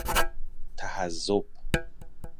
تحزب